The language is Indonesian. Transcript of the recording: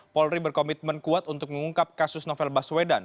polri berkomitmen kuat untuk mengungkap kasus novel baswedan